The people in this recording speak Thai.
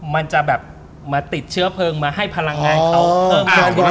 มันจะแบบมาติดเชื้อเพลิงมาให้พลังงานเขา